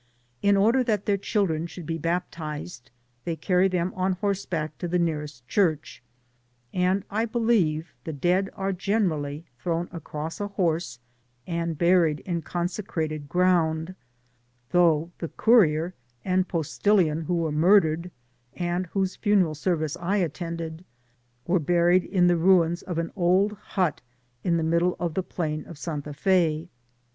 In order that their children should be bap tised, they carry them on horseback to the nearest church, and I believe the dead are generally thrown across a horse and buried in consecrated ground : though the courier and postilion who were mur dered, and whose funeral service I attended, were buried in the ruins of an old hut in the middle of the Plain of Sta. F^.